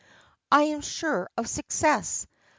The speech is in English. I am sure of success.